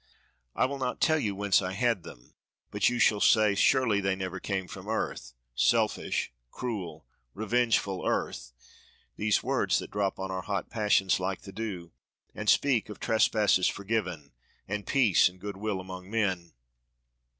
I will not tell you whence I had them, but you shall say surely they never came from earth, selfish, cruel, revengeful earth, these words that drop on our hot passions like the dew, and speak of trespasses forgiven, and peace and goodwill among men."